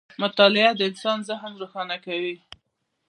• مطالعه د انسان ذهن روښانه کوي.